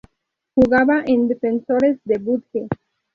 Jugaba en Defensores de Budge.